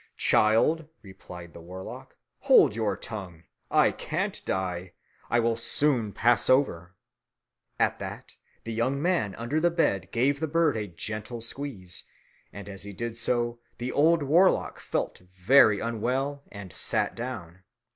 "Child," replied the warlock, "hold your tongue. I can't die. It will soon pass over." At that the young man under the bed gave the bird a gentle squeeze; and as he did so, the old warlock felt very unwell and sat down.